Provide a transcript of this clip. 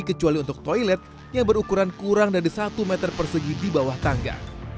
kecuali untuk toilet yang berukuran kurang dari satu meter persegi di bawah tangga